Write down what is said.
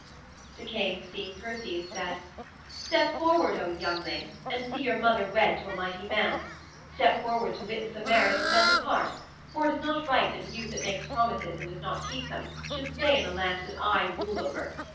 The king seeing Perseus, said: "Step forward, O youngling, and see your mother wed to a mighty man. Step forward to witness a marriage, and then depart, for it is not right that a youth that makes promises and does not keep them should stay in a land that I rule over.